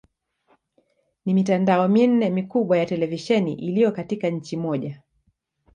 Ni mitandao minne mikubwa ya televisheni iliyo katika nchi moja.